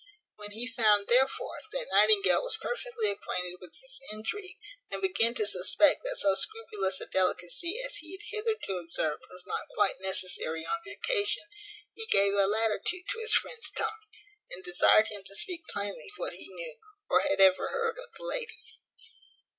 When he found, therefore, that Nightingale was perfectly acquainted with his intrigue, and began to suspect that so scrupulous a delicacy as he had hitherto observed was not quite necessary on the occasion, he gave a latitude to his friend's tongue, and desired him to speak plainly what he knew, or had ever heard of the lady.